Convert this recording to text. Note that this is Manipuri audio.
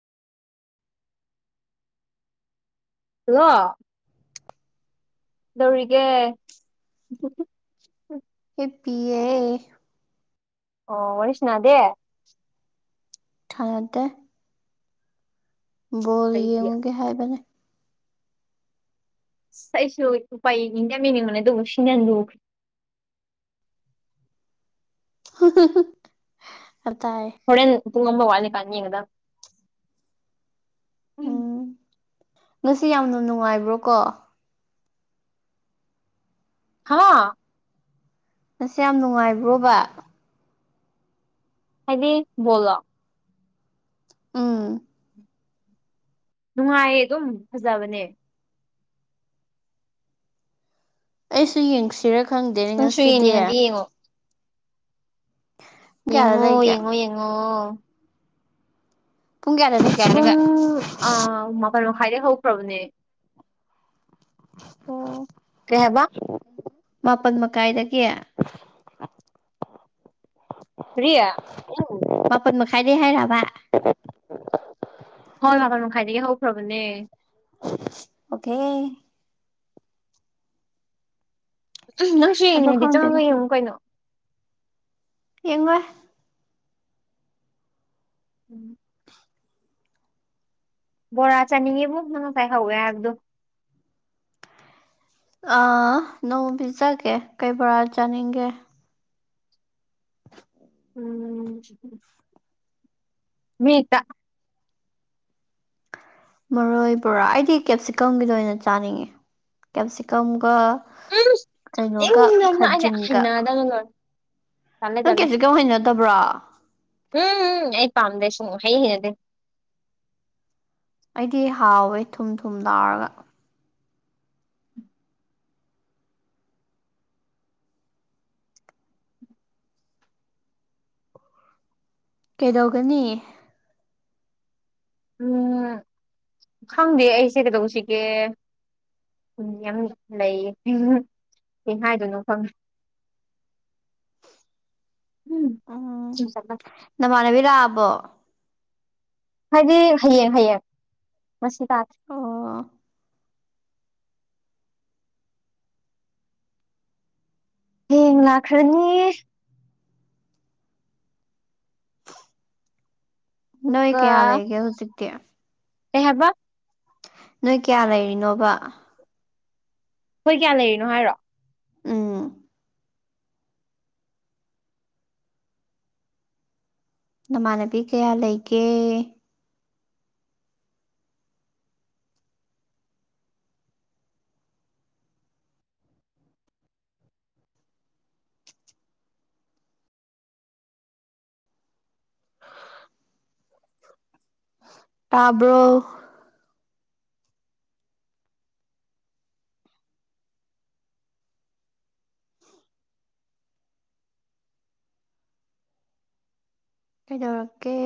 ꯍꯜꯂꯣ ꯗꯨꯔꯤꯒꯦ ꯍꯤꯞꯄꯤꯌꯦ ꯑꯣ ꯋꯔꯤꯁꯅꯥꯗꯦ ꯊꯅꯗꯦ ꯕꯣꯜ ꯀꯩꯒꯤ ꯌꯦꯡꯉꯨꯒꯦ ꯍꯥꯏꯕꯅꯤ ꯑꯩꯁꯨ ꯎꯄꯥꯏ ꯌꯦꯡꯗꯤ ꯌꯥꯝ ꯌꯦꯡꯅꯤꯡꯕꯅꯦ ꯑꯗꯨꯕꯨ ꯁꯤꯅ ꯍꯦꯟꯅ ꯂꯨꯒ꯭ꯔꯦ ꯑꯇꯥꯌꯦ ꯍꯧꯔꯦꯟ ꯄꯨꯡ ꯑꯃ ꯋꯥꯠꯂꯤꯀꯥꯟ ꯌꯦꯡꯒꯗꯧꯅꯦ ꯎꯝ ꯉꯁꯤ ꯌꯥꯝꯅ ꯅꯨꯡꯉꯥꯏꯕ꯭ꯔꯣ ꯀꯣ ꯍꯥ ꯑꯁ ꯌꯥꯝ ꯅꯨꯡꯉꯥꯏꯕ꯭ꯔꯣꯕ ꯍꯥꯏꯗꯤ ꯕꯣꯂꯣ ꯎꯝ ꯅꯨꯡꯉꯥꯏꯌꯦ ꯑꯗꯨꯝ ꯐꯖꯕꯅꯦ ꯑꯩꯁꯨ ꯌꯦꯡꯁꯤꯔ ꯈꯪꯗꯦ ꯅꯪꯁꯨ ꯉꯁꯤꯗꯤ ꯌꯦꯡꯅꯤꯡꯉꯗꯤ ꯌꯦꯡꯉꯣ ꯄꯨꯡ ꯀꯌꯥꯗ ꯌꯦꯡꯉꯣ ꯂꯩꯒꯦ ꯌꯦꯡꯉꯣ ꯌꯦꯡꯉꯣ ꯄꯨꯡ ꯀꯌꯥꯗꯗꯤ ꯄꯨꯡ ꯑꯥ ꯃꯥꯄꯜ ꯃꯈꯥꯏꯗꯩ ꯍꯧꯈ꯭ꯔꯕꯅꯦ ꯑꯣ ꯀꯩ ꯍꯥꯏꯕ ꯃꯥꯄꯜ ꯃꯈꯀꯥꯏꯗꯒꯤ ꯀꯔꯤ ꯃꯄꯠ ꯃꯈꯥꯏꯗꯩ ꯍꯥꯏꯔꯕ ꯍꯣꯏ ꯃꯥꯄꯜ ꯃꯈꯥꯏꯗꯒꯤ ꯍꯧꯈ꯭ꯔꯕꯅꯦ ꯑꯣꯀꯦ ꯅꯪꯁꯨ ꯑꯗꯣ ꯌꯦꯡꯉꯗꯤ ꯈꯪꯗꯦꯗ ꯆꯪꯉꯒ ꯌꯦꯡꯉꯨ ꯀꯩꯅꯣ ꯌꯦꯡꯉꯣꯏ ꯎꯝ ꯕꯣꯔꯥ ꯆꯥꯅꯤꯡꯉꯤꯕꯨ ꯅꯪꯅ ꯄꯥꯢꯍꯧꯏ ꯍꯥꯏꯕꯗꯣ ꯑ ꯅꯣꯡꯃ ꯄꯤꯖꯒꯦ ꯀꯩ ꯕꯣꯔꯥ ꯆꯥꯅꯤꯡꯒꯦ ꯎꯝ ꯃꯤꯇ ꯃꯔꯣꯏ ꯕꯣꯔꯥ ꯑꯩꯗꯤ ꯀꯦꯞꯁꯤꯀꯝꯒꯤꯗ ꯑꯣꯏꯅ ꯆꯥꯅꯤꯡꯉꯦ ꯀꯦꯞꯁꯤꯀꯝꯒ ꯀꯩꯅꯣꯒ ꯎꯝ ꯏꯪꯅ ꯑꯩꯅ ꯈꯖꯤꯡꯒ [unintelligible] ꯇꯜꯂꯦ ꯅꯪ ꯇꯜꯂꯦ ꯀꯦꯞꯁꯤꯀꯝ ꯍꯩꯅꯗꯕ꯭ꯔꯣ ꯎꯝ ꯑꯩ ꯄꯥꯝꯗꯦ ꯁꯨꯍꯩꯪꯍꯩꯅꯗꯦ ꯑꯩꯗꯤ ꯍꯥꯎꯋꯦ ꯊꯨꯝ ꯊꯨꯝ ꯂꯥꯎꯔꯒ ꯀꯩꯗꯧꯒꯅꯤ ꯎꯝ ꯈꯪꯗꯦ ꯑꯩꯁꯦ ꯀꯩꯗꯧꯁꯤꯒꯦ ꯈꯨꯟ ꯌꯥꯝ ꯂꯩꯌꯦ ꯀꯩ ꯍꯥꯏꯗꯣꯏꯅꯣ ꯈꯪ ꯎꯝ [unintelligible] ꯅꯃꯥꯟꯅꯕꯤ ꯂꯥꯛꯑꯕꯣ ꯍꯥꯏꯗꯤ ꯍꯌꯦꯡ ꯍꯌꯦꯡ ꯉꯁꯤ ꯇꯥꯗ꯭ꯔꯦ ꯑꯣ ꯍꯌꯦꯡ ꯂꯥꯛꯈ꯭ꯔꯅꯤ ꯅꯣꯏ ꯑꯗꯨꯒ ꯀꯌꯥ ꯂꯩꯒꯦ ꯍꯧꯖꯤꯛꯇꯤ ꯀꯩ ꯍꯥꯏꯕ ꯅꯣꯏ ꯀꯌꯥ ꯂꯩꯔꯤꯅꯣꯕ ꯑꯩꯈꯣꯏ ꯀꯌꯥ ꯂꯩꯔꯤꯅꯣ ꯍꯥꯏꯔꯣ ꯎꯝ ꯅꯃꯥꯟꯅꯕꯤ ꯀꯌꯥ ꯂꯩꯒꯦ ꯇꯥꯕ꯭ꯔꯣ ꯀꯩꯗꯧꯔꯛꯀꯦ